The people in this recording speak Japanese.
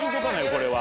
これは。